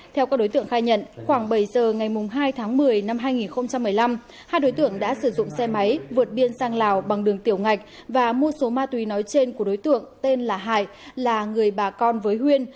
theo các đối tượng khai nhận khoảng bảy giờ ngày hai tháng một mươi năm hai nghìn một mươi năm hai đối tượng đã sử dụng xe máy vượt biên sang lào bằng đường tiểu ngạch và mua số ma túy nói trên của đối tượng tên là hải là người bà con với huyên